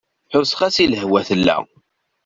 Ḥusseɣ-as i lehwa tella.